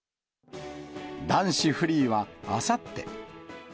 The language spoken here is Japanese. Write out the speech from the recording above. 男子フリーはあさって。